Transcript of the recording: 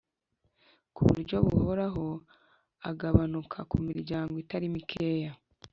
ku buryo buhoraho agabanuka ku miryango itari mikeya.